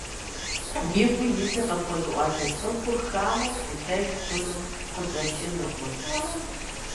Игу илъыр къыпхуэзыӀуатэ цӀыхур хамэу плъытэж хъуну къыщӀэкӀынукъым.